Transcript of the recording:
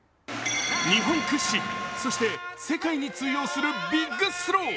日本屈指、そして世界に通用するビッグスロー。